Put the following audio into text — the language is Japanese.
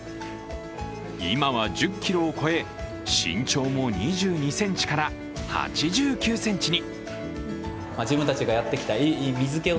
今は１０ｋｇを超え身長も２２ｃｍから８９ｃｍに。